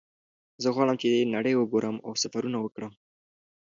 زه غواړم چې نړۍ وګورم او سفرونه وکړم